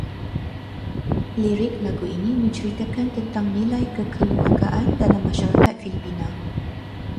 Lirik lagu ini menceritakan tentang nilai kekeluargaan dalam masyarakat Filipina